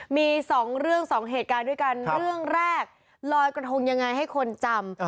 มี๒เหตุการณ์ด้วยกันเรื่องแรกรอยกระทงยังไงให้คนจำ